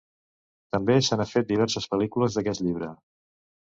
També se n'ha fet diverses pel·lícules d'aquest llibre.